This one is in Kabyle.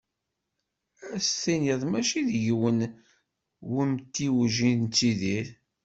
Ad s-tiniḍ mačči deg yiwen wemtiweg i nettidir.